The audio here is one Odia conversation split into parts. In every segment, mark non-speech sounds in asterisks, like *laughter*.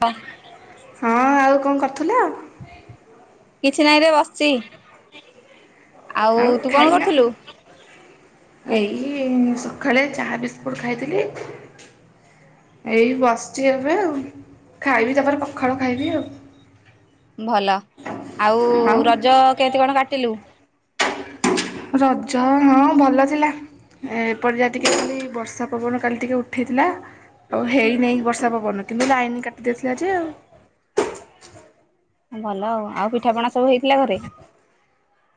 ହ ହଁ ଆଉ କଣ କରୁଥିଲ? କିଛି ନାଇଁରେ ବସିଚି। ଆଉ ତୁ କଣ କରୁଥିଲୁ? ଏଇ ସଖାଳେ ଚାହା ବିସ୍କୁଟ୍ ଖାଇଥିଲି। ଏଇ ବସିଚି ଏବେ ଆଉ। ଖାଇବି ତାପରେ ପଖାଳ ଖାଇବି ଆଉ। ଭଲ। ଆଉ ରଜ କେତି କଣ କାଟିଲୁ? ରଜ, ହଁ ଭଲ ଥିଲା। ଏପଟେ ଯେତିକି ଦେଖିଲି, ବର୍ଷା ପବନ କାଲି ଟିକେ ଉଠେଇଥିଲା। ଆଉ ହେଇନେଇ ବର୍ଷା ପବନ। କିନ୍ତୁ ଲାଇନ କାଟିଦେଇଥିଲା ଯେ ଆଉ। ଭଲ ଆଉ। ଆଉ ପିଠାପଣା ସବୁ ହେଇଥିଲା ଘରେ?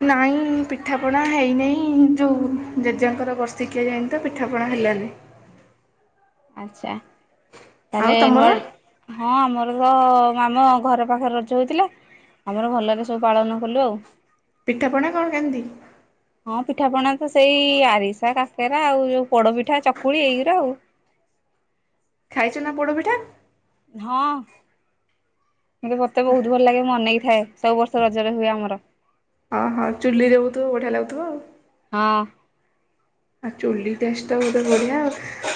ନାଇଁ ପିଠାପଣା ହେଇନେଇ। ଯୋଉ ଜେଜେଙ୍କର ବର୍ଷିକିଆ ଯାଇନି ତ ପିଠାପଣା ହେଲାନି। ଆଚ୍ଛା। ଆଉ ତାହେଲେ ତମର ନୂଆ ହଁ ଆମର ତ ଆମ ଘର ପାଖରେ ରଜ ହଉଥିଲା। ଆମର ଭଲରେ ସବୁ ପାଳନ କଲୁ ଆଉ। ପିଠାପଣା କଣ କେମନ୍ତି? ହଁ ପିଠାପଣା ତ ସେଇ ଆରିସା, କାକେରା, ଆଉ ଯୋଉ ପୋଡପିଠା, ଚକୁଳି ଏଇଗୁରା ଆଉ। ଖାଇଚୁ ନା ପୋଡପିଠା? ହଁ। କିନ୍ତୁ ମତେ ବହୁତ ଭଲ ଲାଗେ, ମୁଁ ଅନେଇ ଥାଏ। ସବୁ ବର୍ଷ ରଜରେ ହୁଏ ଆମର। ଅ ହଁ, ଚୁଲିରେ ହଉଥିବ ବଢିଆ ଲାଗୁଥିବ ଆଉ। ହଁ। ଆଉ ଚୁଲି ଟେଷ୍ଟ ଟା ବୋଧେ ବଢିଆ ଆଉ,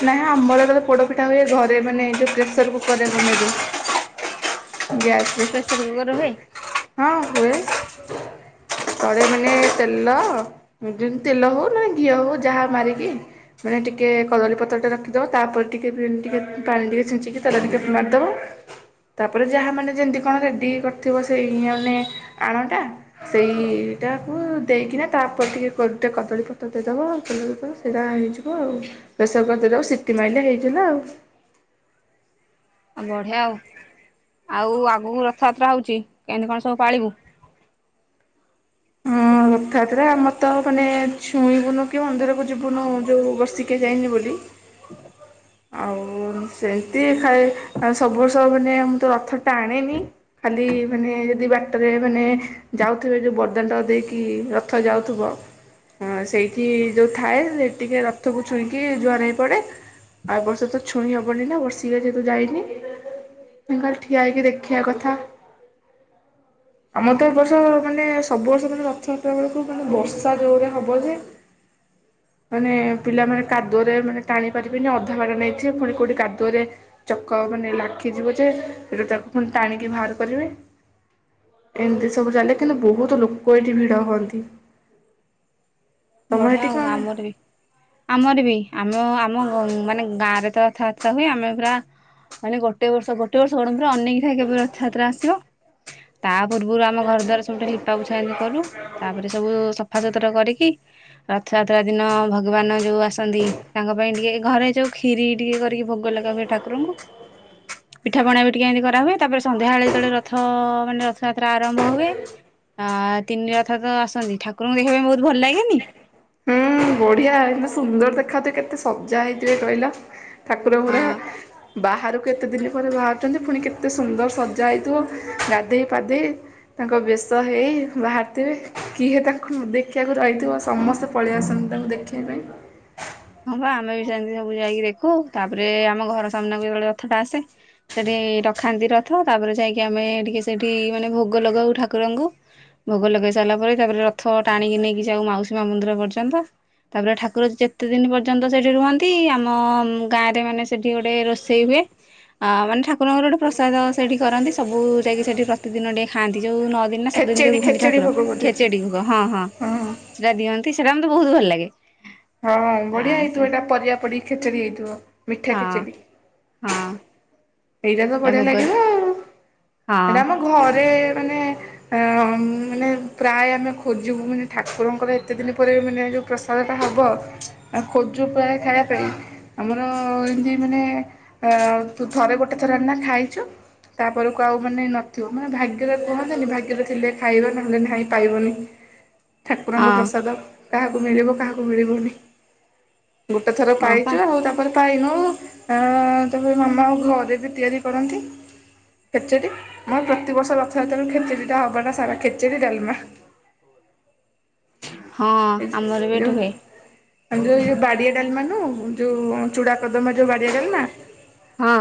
ନାଇ ଆମର ଯେତେବେଳେ ପୋଡ ପିଠା ହୁଏ ଘରେ ମାନେ ଯୋଉ ପ୍ରେସର କୁକରରେ ବନେଇ ଦେଉ। ଗ୍ୟାସରେ, ପ୍ରେସର କୁକର ହୁଏ ହଁ ହୁଏ। ତଳେ ମାନେ ତେଲ ଯେମିତି ତେଲ ହଉ ନା ଘିଅ ହଉ ଯାହା ମାରିକି ମାନେ ଟିକେ କଦଳୀପତ୍ରଟେ ରଖିଦେବ ତା ପରେ ଟିକେ ଟିକେ ପାଣି ଟିକେ ଛିଞ୍ଚିକି ତେଲ ଟିକେ ମାରିଦେବ। ତାପରେ ଯାହା ମାନେ ଯେମିତି କଣ ରେଡ଼ି କରିଥିବ ସେଇ ମାନେ ଆଣଟା ସେଇଟାକୁ ଦେଇକିନା ତାପରେ ଟିକେ ଗୋଟେ କଦଳୀପତ୍ର ଦେଇଦେବ କଦଳୀପତ୍ର ସେଇଟା ହେଇଯିବ ହ ଆଉ ପ୍ରେସର କୁକରେ ଦେଇଦେବ ସିଟି ମାଇଲେ ହେଇଥିଲା ଆଉ ଆଉ ବଢ଼ିଆ ଆଉ ଆଉ ଆଗକୁ ରଥଯାତ୍ରା ହଉଛି, କେମିତି କଣ ସବୁ ପାଳିବୁ? ହଁ *unintelligible* ରଥଯାତ୍ରା ଆମର ତ ମାନେ ଛୁଇଁବୁନୁ କି ମନ୍ଦିରକୁ ଯିବୁନୁ ଯୋଉ ବର୍ଷିକିଆ ଯାଇନି ବୋଲି। ହ *inaudible* ଆଉ ସେମିତି ଖାଏ ସବୁ ବର୍ଷ ମାନେ ମୁ ତ ରଥ ଟାଣେନି ଖାଲି ମାନେ ଯଦି ବାଟରେ ମାନେ ଯାଉଥିବେ ଯୋଉ ବଡଦାଣ୍ଡ ଦେଇକି କି ରଥ ଯାଉଥିବ ହ ସେଇଠି ଯୋଉଁ ଥାଏ ସେ ଟିକେ ରଥକୁ ଛୁଇଁକି ଜୁହାର ହେଇପଡେ। ଆଉ ଏ ବର୍ଷ ତ ଛୁଇଁ ହେବନି ନା ବର୍ଷିକିଆ ଯେହେତୁ ଯାଇନି ନା ଖାଲି ଠିଆ ହେଇକି ଦେଖିବା କଥା ଆଉ। ଆମର ତ ଏ ବର୍ଷ ମାନେ ସବୁ ବର୍ଷ ମାନେ ରଥ ଛୋଟବେଳକୁ କୁଆଡେ ବର୍ଷା ଯୋଉ ଭଳିଆ ହବ ଯେ, ହଁ *inaudible* ମାନେ ପିଲାମାନେେ କାଦୁଅରେ ମାନେ ଟାଣି ପାରିବେନି, ଅଧା ବାଟା ନେଇ କି ଯିବେ ପୁଣି କୋଉଠି କାଦୁଅରେ ଚକ ମାନେ ଲାଖିଯିବ ଯେ ସେଟୁ ତାକୁ ପୁଣି ଟାଣିକି ବାହାର କରିବେ। ଏମିତି ସବୁ ଚଳିଥିଲ କିନ୍ତୁ ବହୁତ ଲୋକ ଏଠି ଭିଡ଼ ହୁଅନ୍ତି ତମର ବଢିଆ ଏଠି ଆଉ କଣ ଆମର ବି ଆମର ବି ଆମ ଆମ ମାନେ ଗାଁରେ ତ ଅଥା ର ହୁଏ ଆମେୁରା ମାନେ ଗୋଟେ ବର୍ଷ ଗୋଟେ ବର୍ଷ ଗ ଅନେକି ଥାଏ କେବେ ରଥଯାତ୍ରା ଆସିବ ତା ପୂର୍ବରୁ ଆମ ଘର ଦ୍ୱାର ସବୁଠେ ଲିପାପୁଛା ଏମିତି କଲୁ ତାପରେ ସବୁ ସଫାସୁତୁରା କରିକି ରଥଯାତ୍ରା ଦିନ ଭଗବାନ ଯୋଉ ଆସନ୍ତି ତାଙ୍କ ପାଇଁ ଟିକେ ଘରେ ଯୋଉ ଖ୍ଷୀରି ଟିକେ କରିକି ଭୋଗ ଲଗାବେ ଠାକୁରଙ୍କୁ ପିଠା ପଣା ବି ଟିକେ ଏମିତି କରାହୁୁଏ ତାପରେ ସନ୍ଧ୍ୟାବେଳେ ତଳେ ରଥ ମାନେ ରଥ ଯାତ୍ରା ଆରମ୍ଭ ହୁଏ ଆ ତିନିଟି ରଥ ତ ଆସନ୍ତି ଠାକୁରଙ୍କୁ ଦେଖିବା ପାଇଁ ବହୁତ ଭଲ ଲାଗେନି ହୁଁ ବଢିଆ ଏ ସୁନ୍ଦର ଦେଖା ତ କେତେ ସ୍ଜା ହେଇଥିବେ କହିଲା ଠାକୁର ହୁଡ଼ା ହଁ ବାହାରୁ କେତେ ଦିନ ପରେ ବାହାରୁଛନ୍ତି ପୁଣି କେତେ ସୁନ୍ଦର ସଜା ହେଇଥିବ ଗାଧୋଇ ପାଧୋଇ ତାଙ୍କ ବେଶ ହେଇ ବାହାରିଥିବେ କିଏ ତାଙ୍କୁ ଦେଖିବାକୁ ରହିଲ ଥିବା ସମସ୍ତେ ପଳେଇଆ ଆସନ୍ତି ତାଙ୍କୁ ଦେଖେଇିବା ପାଇଁ ହଁ ବା ଆମେ ବି ସେମିତି ସବୁ ଯାଇକି ଦେଖୁ ତାପରେ ଆମ ଘର ସାମ୍ନାକୁ ଯେତେବେଳେ ଯଥାଟା ଆସେ ସେଠି ରଖାନ୍ତି ରଥ ତାପରେ ଯାଇକି ଆମେ ଟିକେ ସେଠି ମାନେ ଭୋଗ ଲଗାଉ ଠାକୁରଙ୍କୁ ଭୋଗ ଲଗେଇ ସାରିଲା ପରେ ତାପରେ ରଥ ଟାଣିକି ନେଇକି ଯଉ ମାଉସୀ ମା ମନ୍ଦିର ପର୍ଯ୍ୟନ୍ତ ତାପରେ ଠାକୁର କେତେ ଦିନ ପର୍ଯ୍ୟନ୍ତ ସେଠି ରୁହନ୍ତି ଆମ ଗାଁରେ ମାନେ ସେଠି ଗୋଟେ ରୋଷେଇ ହୁଏ ଅ ମାନେ ଠାକୁରଙ୍କର ଗୋଟେ ପ୍ରସାଦ ସେଠି କରନ୍ତି ସବୁ ଯାଇକି ସେଠି ପ୍ରତିଦିନ ଟିକେ ଖାଆନ୍ତି ଯୋଉ ଦିନ ସାତ ଦିନ ଖେଚେଡି ଯରେଉ ରୁହନ୍ତି ଖେଚେଡି ଠାକୁର ଭୋଗ ବୋଧେ ଖେଚେଟି ଭ ହଁ ହଁ ସେଟା ଦିଅନ୍ତି ସେଇଟା ମମତେ ବହୁତ ଭଲ ଲାଗେ ହଁ ଆ ବଢିଆ ସେ ହେଇଥିବ ଏଇଟା ପରିବା ପଡ ଖେଚେୀ ହେଇଥିବ ମିଠା ହଁ ଖେଚେରିୀ ହଁ ଏଇଟା ତ ସେଟା ବଢିଆ ଭୋଗ ଲାଗିଲ ଆଉ ହଁ ଏଇଟା ଆମ ଘରେ ମାନେ ଅ ମାନେ ପ୍ରାୟ ଆମେ ଖୋଜିବୁ ମାନେ ଠାକୁରଙ୍କର ଏତେ ଦିନ ପରେ ମାନେ ଯେଉଁ ପ୍ରସାଦଟା ହେବ ଆ ଖୋଜୁ ପ୍ର ଖାଇବା ପାଇଁ ଆମର ଏମତି ମାନେ ଆ ଥରେ ଗୋଟେ ଥର ଏନା ଖାଇଚୁ ତାପରକୁ ଆଉ ମାନେ ନଥିବ ମାନେ ଭାଗ୍ୟରେ କୁହନ୍ତିନି ଭାଗ୍ୟରେ ଥିଲେ ଖାଇବେ ନହେଲେ ନାହିଁ ପାଇବନି। ହଁ ଠାକୁରଙ୍କ ପ୍ରସାଦ କାହାକୁ ମିଳିବ କାହାକୁ ମିଳିବନି। ଗୋଟେ ଥର ହଁ ପା ପାଇଛୁ ଆଉ ତାପରେ ପାଇନୋଉ ଆ ତାପରେ ମାମା ହଁ ଦେବି ତିଆରି କରନ୍ତି। ଖେଚେଡ଼ି ମୋ ପ୍ରତିବର୍ଷ ରଥଯାତ୍ରା ତାରୁ ଖେଚେଡ଼ିଟା ହେବ ଟା ସାରା ଖେଚେଡ଼ି ଡାଲମା। ହଁ ଆମର ବି ଏଠି ହୁଏ ହଁ ଯଉ ବାଡିଆ ଡାଲମା ନୁ ଯୋଉ ଚୁଡା କଦମା ଯୋଉ ବାଡିଆ ଡାଲମା। ହଁ।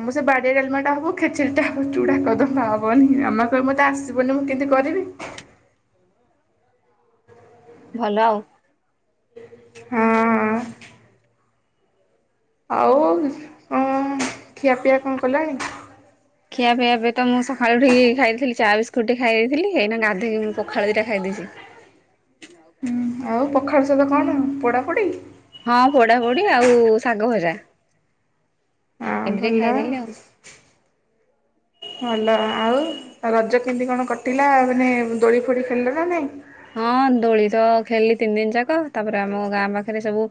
ଆମ ସେ ବାଡିଆ ଡଲମା ଟା ହବ ଖେଚେରିଟା ହବ ଚୁଡା କଦମ୍ବା ହବନି ଆମ କରେ ମତେ ଆସି ଯୀବନରେ ମୁଁ କେମିତି କରିବି। ଭଲ ଆଉ। ହଁ। ଆଉ କଁ ଖିଆପିଆ କଣ କଲାଣି? ଖିଆପିଆ ଏବେ ତ ମୁଁ ସକାଳୁ ଉଠିକି ଖାଇଥିଲି ଚାହା ବିସ୍କୁଟ ଟେ ଖାଇଦେଇଥିଲି ଏଇନା ଗାଧୋଇକି ପଖାଳ ଦିଟା ଖାଇ ଦେଇଛି। ହୁଁ ଆଉ ପଖାଳ ସହିତ କଣ ପୋଡ଼ାପୋଡ଼ି ହଁ ପୋଡାପୋଡି ଆଉ ଶାଗ ଭଜା। ହଁ ଏନ୍ତି ଟିକେ ଭଲ ଖାଇଦେଲେ ଆଉ। ଭଲ ଆଉ ଆ ରଜ କେମିତି କଣ କଟିଲା ମାନେ ଦୋଳି ଫୋଳି ଖେଳିଲ ନା ନାଇଁ ହଁ ଦୋଳି ତ ଖେଲିି ତିନି ଦିନ ଯାକ ତାପରେ ଆମ ଗାଁ ପାଖେରେ ସବୁ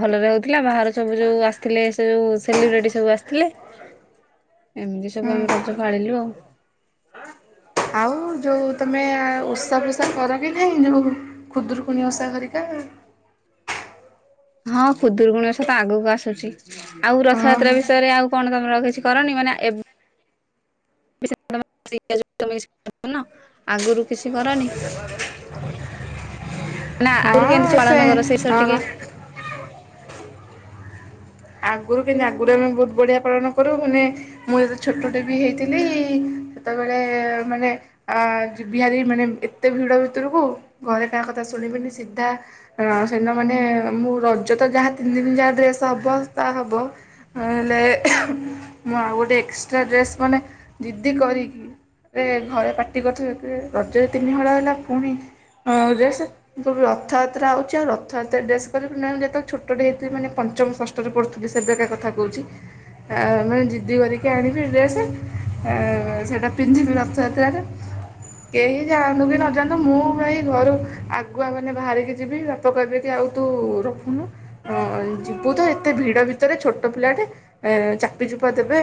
ଭଲରେ ହଉଥିଲା ବାହାର ସବୁ ଯୋଉ ଆସିଥିଲେ ସେ ଯୋଉ ସେଲିବ୍ରେଟି ସବୁ ଆସିଥିଲେ ଏମିତି ସବୁ ହୁଁ ଆମେ ରଜ ପାଳିଲୁ ଆଉ। ଆଉ ଯୋଉ ତମେ ଓସା ଫୋଷା କର କି ନାଇଁ ଯୋଉ ଖୁଦୁରୁକୁଣି ଓସା ଘରିକା ହଁ ଖୁଦୁୁରୁକୁଣି ଓଷା ତ ଆଗକୁ ଆସୁଚି ଆଉ ହଁ ରଥଯାତ୍ରା ବିଷୟରେ ଆଉ କଣ ତମର କିଛି କରନି ମାନେ ଏବ *unintelligible* ଆଗରୁ କିଛି କରନି। ନା ଆଗୁରୁ କେମିତି ହଁ ସବୁ ପାଳନ କର ସେଇ ସରେ ସେ ଟିକେ ଆଗରୁ କେମତି ଆଗରୁ ଆମେ ବହୁତ ବଢ଼ିଆ ପାଳନ କରୁ ମାନେ ମୁଁ ଯେତେବେଳେ ଛୋଟଟେ ବି ହେଇଥିଲି ସେତେବେଳେ ମାନେ ଆ ଯିବିହାରି ମାନେ ଏତେ ଭିଡ଼ ଭିତରକୁ ଘରେ କାହା କଥା ଶୁଣିବିନି ସିଧା ହ ସେଦିନ ମାନେ ମୁଁ ରଜ ତ ଯାହା ତିନି ଦିନ ଯାହା ଡ୍ରେସ୍ ହବ ତା ହବ ଆ ହେଲେ ମୁଁ ଆଉ ଗୋଟେ ଏକ୍ସଟ୍ରା ଡ୍ରେସ୍ ମାନେ ଜିଦି କରିକି ରେ ଘରେ ପାଟି କରୁଥିବେ ରଜରେ ତିନିହଳ ହେଲା ପୁଣି ଅ ଡ୍ରେସ। ମୁଁ ରଥଯାତ୍ରା ହଉଚି ଆଉ ରଥଯାତ୍ରା ଡ୍ରେସ କରିବୁନି ଆମେ ଯେତେବେଳେ ଛୋଟଟେ ହେଇଥିଲୁ ମାନେ ପଞ୍ଚମ ରେ ପଢୁଥିଲି ସେବେକା କଥା କହୁଚି। ଆ ମାନେ ଜିଦି କରିକି ଆଣିବି ଡ୍ରେସ ଏ ସେଇଟା ପିନ୍ଧିବି ରଥ ଯାତ୍ରାରେ କେହି ଯାଆନ୍ତୁ କି ନଯାଆନ୍ତୁ ମୁଁ ଭାଇ ଘରୁ ଆଗୁଆ ମାନେ ବାହାରିକି ଯିବି। ପକାଇବେକି ଆଉ ତୁ ରଖୁନୁ ଯିବୁ ତ ଏ ଏତେ ଭିଡ ଭିତରେ ଛୋଟ ପିଲାଟେ ଏଁ ଚାପିଚୁପା ଦେବେ।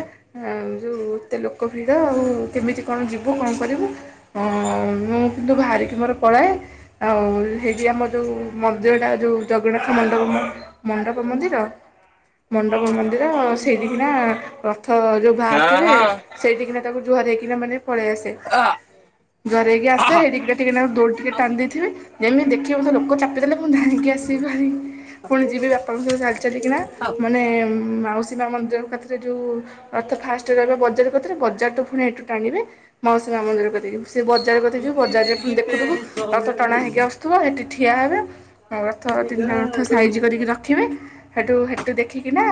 ଆଯୋଉ ଏତେ ଲୋକଭିଡ଼ ଆଉ କେମିତି କ ଣ ଯିବୁ କଣ କରିବୁ। ହଁ ମୁଁ କିନ୍ତୁ ବାହାରିକି ମୋର ପଳାଏ। ଆଉ ହେଇଠି ଆମ ଯଉ ମନ୍ଦିରଟା ଯଉ ଜଗନ୍ନାଥ ମଣ୍ଡପ ମଣ୍ଡପ ମନ୍ଦିର? ମଣ୍ଡପ ମନ୍ଦିର ସେଇଠୀ କିଣା ରଥ ଯୋଉ ବାହାରୁଥିବେ ସେଇଠିକିନା ତାକୁ ଜୁହାର ହେଇକିନା ମାନେ ପଳେଇ ଆସେ। ଆ ଆ ଜୁହାର ହେଇକି ଆସେ ହେଇଠିକି ଟିକେନାକୁ ଦଡ଼ଡି ଟିକେ ଟାଣି ଦେଇଥିବି। ଯେମିତି ଦେଖିବି ମୋତେ ଚାପି ଦେଲେ ଧାାଇଁକି ଆସିଭି ଭାରି ପୁଣି ଯିବି ବାପାଙ୍କ ସହିତ ଚାଲି ଚାଲି। କିନା ମାନେ ମାଉସୀ ମା ମନ୍ଦିର କତିରେ ଯଉ ରଥ ଫାଷ୍ଟରେ ରହିବ ବଜାର କତିରେ ବଜାରଠୁ ପୁଣି ଏଠୁ ଟାଣିବେ। ମାଉସୀମା ମନ୍ଦିର କତିକିଯିବୁ ସେ ବଜାର କତିକି ଯିବୁ ବଜାରରେଫୁଣି ଟିକେ ଦେଖୁଥିବ ରଥ ଟଣା ହେଇକି ଆସୁଥିବ ହେଠି ଠିଆ ହେବେ ରଥ ତିନିଟା ରଥ ସାଇଜ କରିକି ରଖିବେ। ହେଠୁ ହେଠୁ ଦେଖିକିନା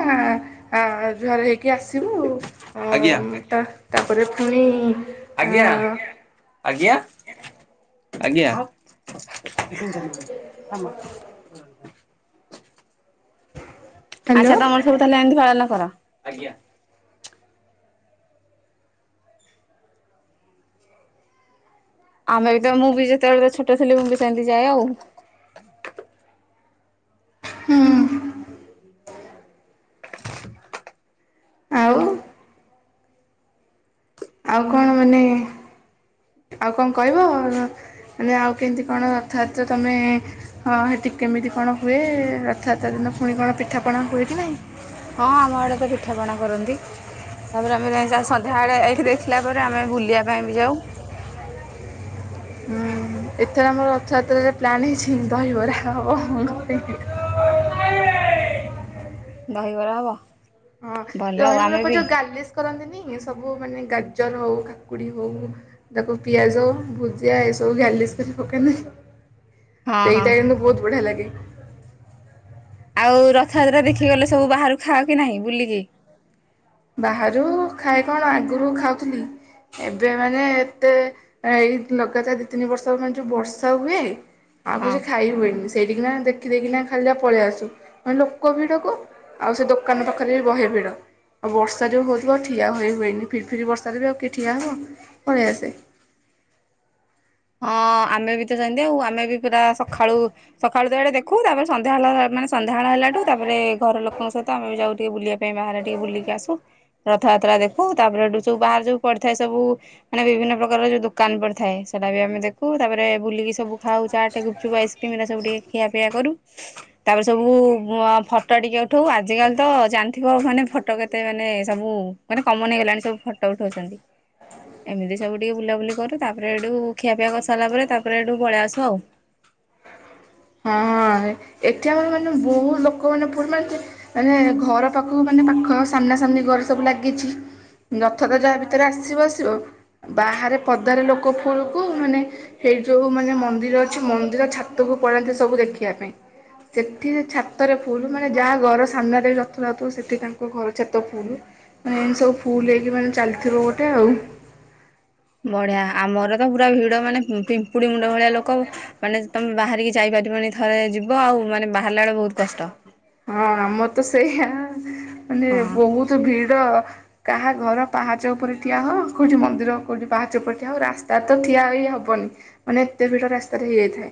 ଜୁହାର ହେଇକି ଆସିବୁ ଅଁ ଆଜ୍ଞା। ତାପରେ ପୁଣି ଆ ଆଜ୍ଞା ଆଜ୍ଞା ଆଜ୍ଞା। ଏ ଆମ *inaudible* ହ୍ୟାଲୋ ଆଚ୍ଛା ତମର ସବୁ ତାହଲେ ଏମିତି ପାଳନ କର। ଆମେ ବି ତ ମୁଁ ବି ଯେତେବେଳେ ଛୋଟ ଥିଲ ମୁଁ ବି ସେମିତି ଯାଏ ଆଉ। ହୁଁ। ଆଉ। ଆଉ କଣ ମାନେ ଆଉ କଣ କହିବ? ମାନେ ଆଉ କେମିତି କଣ ଅର୍ଥାତ୍ ତମେ ହଁ ହେଠି କେମିତି କଣ ହୁଏ ରଥଯାତ୍ରା ଦିନ ପୁଣି କଣ ପିଠାପଣା ହୁଏ କି ନାହିଁ। ହଁ ଆମ ଆଡେ ତ ପିଠାପଣା କରନ୍ତି। ତାପରେ ଆମେ ଯ ସନ୍ଧ୍ୟାବେଳେଏଠି ଦେଖିଲା ପରେ ଆମେ ବୁଲିବା ପାଇଁ ବି ଯାଉ। ହୁଁ ଏଥର ଆମର ରଥଯାତ୍ରାରେ ପ୍ଲାନ୍ ହେଇଛି ଦହିବରାହବ। ଦହିବରା ହବ। ହଁ ଭଲ ଆଉ ରହିବ ଆମେ ପ ବି ଯଉ ଗାର୍ଲିସ୍ କରନ୍ତିନି ସବୁ ମାନେ ଗାଜର ହଉ କାକୁଡି ହଉ। ତାକୁ ପିଆଜ ଭୁଜିଆ ଏସବୁ ଗାଲିସ୍ କରି ପକା ନାହି। ହଁ ହଁ ସେଇଟା କିନ୍ତୁ ବହୁତ ବଢିଆ ଲାଗେ। ଆଉ ରଥଯାତ୍ରା ଦେଖି ଗଲେ ସବୁ ବାହାରୁ ଖାଅ କି ନାହିଁ ବୁଲିକି। ବାହାରୁ ଖାଏ କଣ ଆଗରୁ ଖାଉଥିଲି ଏବେ ମାନେ ଏତେ ଏଇ ଲଗାତାର ଦି ତିନି ବର୍ଷ ମେ ଯୋଉ ବର୍ଷା ହୁଏ ଆଉ ହଁ କିଛି ଖାଇ ହୁଏନି ସେଇଠିକି ନା ଦେ ରଖିଦକିନାାଇଁ ଖାଲି ପଳେଇ ଆସୁ ମେ ଲୋକ ଭିଡ଼ କୁ ଆଉ ସେ ଦୋକାନ ପାଖରେ ବି ବହେ ଭିଡ଼ ଆଉ ବର୍ଷା ଯେଉଁ ହେଉଥିବ ଠିଆ ହୋଇ ହୁଏନି ଫିରି ଫିରି ବର୍ଷାାରେ ବି ଆଉ କିଏ ଠିଆ ହେବ ପଳେଇ ଆସେ ହଁ ଆମେ ବି ତ ଯତି ଆଉ ଆମେ ବି ପୁରା ସକାଳୁ ସକାଳୁ ତ ଏଡେ ଦେଖୁ ତାପରେ ସନ୍ଧ୍ୟାବେ ମାନେ ସନ୍ଧାଳ ହେଲାଠୁ ତାପରେ ଘର ଲୋକଙ୍କ ସହିତ ଆମେ ଯାଉ ଟିକେ ବୁଲିବା ପାଇଁ ବାହାରେ ଟିକେ ବୁଲିକି ଆସୁ ରଥଯାତ୍ରା ଦେଖୁ ତାପରେ ଏଠୁ ସବୁ ବାହାର ଯୋଉ ପଡିଥାଏ ସବୁ ମାନେ ବିଭିନ୍ନ ପ୍ରକାର ଯୋଉ ଦୋକାନ ପ ଥାଏ ସେଟା ବି ଆେ ଦେଖୁ ତାପରେ ବୁଲିକି ସବୁ ଖାଉ ଚାଟେ ଗୁପଚୁ ଆଇସ୍କ୍ରିମା ସବୁ ଟିକେ ଖିଆିଆ କରୁ ତାପରେ ସବୁ ଫଟୋ ଟିକେ ଉଠାଉ ଆଜିକାଲି ତ ଜାଣି ଥିବ ମାନେ ଫଟୋ କେତେ ମାନେ ସବୁ ମାନେ କମନ ହେଇଗଲାଣି ସବୁ ଫଟୋ ଉଠଉଛନ୍ତି ଏମିତି ସବୁ ଟିକେ ବୁଲାବୁଲି କରୁ ତାପରେ ଏଇଠୁ ଖିଆପିଆ କରିସାରିଲା ପରେ ତାପରେ ଏଇଠୁ ପଳେଇ ଆସୁ ଆଉ ହଁ ଏଠି ଆମର ମାନେ ବହୁତ ଲୋକ ମାନେ ପମା ମାନେ ଘର ପାଖକୁ ମାନେ ପାଖ ସାମ୍ନା ସାମ୍ନି ଘର ସବୁ ଲାଗିଛି ନଥ ତ ଯାହା ଭିତରେ ଆସିବ ଆସିବ ବାହାରେ ପଦାରେ ଲୋକ ଫୁଲକୁ ମାନେ ସେଇ ଯୋଉ ମାନେ ମନ୍ଦିର ଅଛି ମନ୍ଦିର ଛାତକୁ ପଳାାନ୍ତି ସବୁ ଦେଖିବା ପାଇଁ ସେଠି ଛାତରେ ଫୁଲୁ ମାନେ ଯାହା ଘର ସାମ୍ନାରେ ବି ଯଥୁଥୁ ସେଠି ତାଙ୍କ ଘର ଛାତ ଫୁଲୁ ମାନେ ଏମତି ସବୁ ଫୁଲ ହେଇକି ମାନେ ଚାଲିଥିବ ଗୋଟେ ଆଉ ବଢିଆ ଆମର ତ ପୁରା ଭିଡ ମାନେ ପିମ୍ପୁଡି ମୁଣ୍ଡ ଭଳିଆ ଲୋକ ମାନେ ତମେ ବାହାରିକି ଯାଇପାରିବନି ଥରେ ଯିବ ଆଉ ମାନେ ବାହାରିଲା ବେଳଳେ ବହୁତ କଷ୍ଟ ହଁ ଆମର ତ ସେଇଆ ମାନେ ହଁ ବହୁତ ଭିଡ କାହା ଘର ପାହାଚ ଉପରେ ଠିଆ ହେଉ କେଉଁଠି ମନ୍ଦିର କେଉଁଠି ପାହାଚ ଉପରେ ଠିଆ ହଉ ରାସ୍ତା ତ ଠିଆ ହେ ହେବନି ମାନେ ଏତେ ଭିଡ ରାସ୍ତାରେ ହେଇଯାଇଥାଏ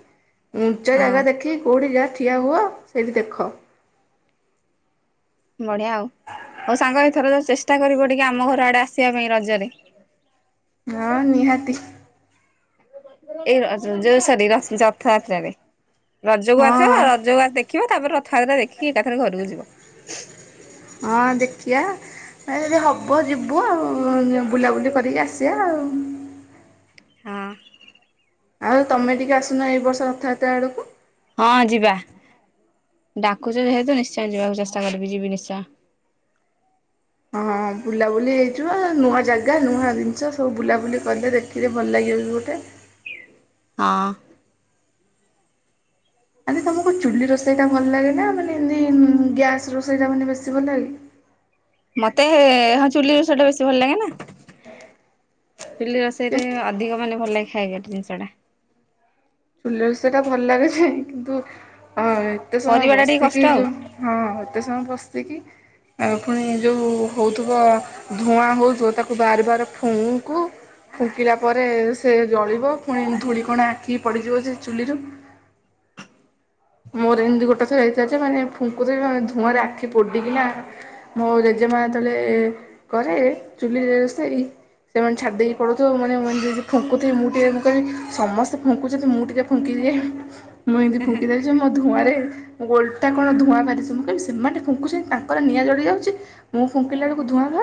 ଉଞ୍ଚା ହଁ ଜାଗା ଦେଖିକି କଉଠି ଯାଆ ଠିଆ ହୁଅ ସେଇଠି ଦେଖ। ବଢିଆ ଆଉ ହଉ ସାଙ୍ଗ ଏଥର ଚେଷ୍ଟା କରିବ ଟିକେ ଆମ ଘର ଆଡେ ଆସିବା ପାଇଁ ରଜରେ। ହଁ ନିହାତି। ଏଇ ର ଯୋ-ଯୋଉ ସରି ର-ରଥଯାତ୍ରାରେ ରଜକୁ ହଁ ଆସ ରଜକୁ ଆସ ଦେ ଦେଖିବ ତାପରେ ରଥଯାତ୍ରା ଦେଖିକି ଏକାଥରେ ଘରକୁ ଯିବ। ହଁ ଦେଖିଆ ଏ ଯଦି ହବ ଯିବୁ ଆଉ। ଉ ବୁଲାବୁଲି କରିକି ଆସିଆ ଆଉ। ହଁ। ଆଉ ତମେ ଟିକେ ଆସୁନ ଏଇ ବର୍ଷ ରଥଯାତ୍ରା ଆଡକୁ। ହଁ ଯିବା ଡାକୁଛ ଯେହେତୁ ନିଶ୍ଚୟ ଯିବାକୁ ଚେଷ୍ଟା କରିବି ଯିବି ନିଶ୍ଚୟ। ହଁ ବୁଲାବୁଲି ହେଇଯିବ ନୂଆ ଜାଗା ନୂଆ ଜିନିଷ ସବୁ ବୁଲାବୁଲି କଲେ ଦେ ଇରେ ଭଲ ଲାଗିବ ବି ଗୋଟେ। ହଁ। ଆରେ ତମକୁ ଚୁଲି ରୋଷେଇ ଟା ଭଲ ଲାଗେ ନା ମାନେ ଏମିତି ଉଁ ଗ୍ୟାସ ରୋଷେଇଟା ମାନେ ବେଶୀ ଭଲ ଲାଗେ? ମତେ ହଁ ଚୁଲି ରୋଷେଇ ଟା ବେଶୀ ଭଲ ଲାଗେ ନା ଚୁଲି କେ ରୋଷେଇରେ ଅ ଅଧିକ ମାନେ ଭଲ ଲାଗେ ଖାଇବା ଟା ଜିନିଷ ଟା। ଚୁଲି ରୋଷେଇ ଟା ଭଲ ଲାଗୁଛି କିନ୍ତୁ ଅ ଏ ଏତେ ସମୟ କରିବାଟା ଟିକେ କଷ୍ଟ ବସିକି ଆଉ। ଯୋଉ। ହଁ ଏତେ ସମୟ ବସିକି ଆଉ ପୁଣି ଯଉ ହଉଥିବ। ଧୂଆଁ ହଉଥିବ ତାକୁ ବାର ବାର ଫୁଙ୍କୁ। ଫୁଙ୍କିଲା ପରେ ସେ ଜଳିବ ପୁଣି ଧୂଳିକଣା ଆଖିକି ପଡିଯିବ ଯେ ଚୁଲିରୁ। ମୋର ଏମିତି ଗୋଟେ ଥର ହେଇଥିଲା ଯେ ମାନେ ଫୁଙ୍କୁ *unintelligible* ଧୂଆଁରେ ଆଖି ପୋଡିକିନା। ମୋ ଜେଜେମା ଯେତେବେଳେ କରେ ଚୁଲିରେ ରୋଷେଇ। ସେମାନେ ଛାଡି ଦେଇକି ପଳଉଥିବ ଏ ମାନେ ମାନେ ଯଦି ଫୁଙ୍କୁୁଥିବେ ମୁଁ ଟିକେ ମୁଁ କହିବି ସମସ୍ତେ ଫୁଙ୍କୁଛନ୍ତି ମୁଁ ଟିକେ। ଫୁଙ୍କିଦିଏ ମୁଁ ଏମିତି ଫୁ ଯେ ମୋ ଧୂଆଁରେ ମୋ ଓଲଟା କଣ ଧୂଆଁ ବାହାରୁଛି ମୁଁ କହିଲି ସେମାନେ ଫୁଙ୍କୁଛନ୍ତି ତାଙ୍କର ନିଆଁ ଜଳିଯାଉଛି। ମୁଁ ଫୁଙ୍କିଲା ବେଳକୁ ଧୁଆଁ ବା